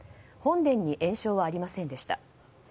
本殿に延焼はありませんでした。